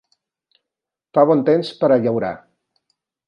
Fa bon temps per a llaurar.